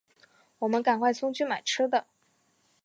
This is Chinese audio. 我们赶快冲去买吃的